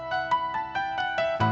aku mau tidur di rumah